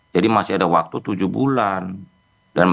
jadi masih ada waktu tujuh bulan